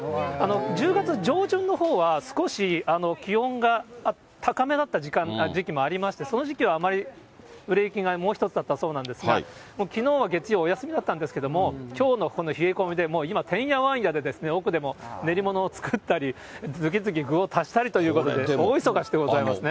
１０月上旬のほうは少し気温が高めだった時期もありまして、その時期はあまり、売れ行きがもう一つだったそうなんですが、きのうは月曜、お休みだったんですけど、きょうのこの冷え込みで、もう今、てんやわんやで奥でも練り物を作ったり、次々具を足したりということで、大忙しでございますね。